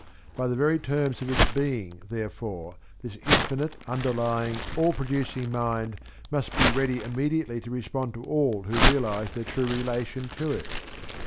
By the very terms of its being, therefore, this infinite, underlying, all producing Mind must be ready immediately to respond to all who realize their true relation to it.